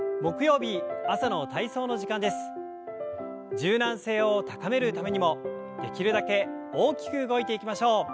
柔軟性を高めるためにもできるだけ大きく動いていきましょう。